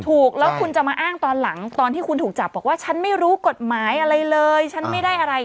ถูกแล้วคุณจะมาอ้างตอนหลังตอนที่คุณถูกจับบอกว่าฉันไม่รู้กฎหมายอะไรเลยฉันไม่ได้อะไร